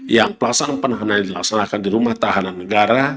yang pelaksanaan penahanan dilaksanakan di rumah tahanan negara